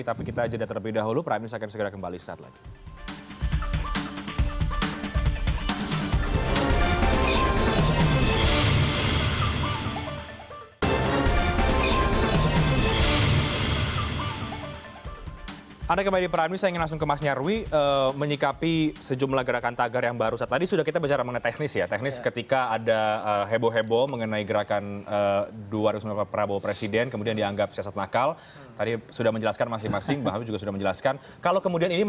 tapi kita aja datang lebih dahulu